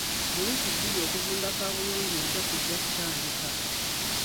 Mu wiiki bbiri okuzimba kabuyonjo empya kujja kutandika.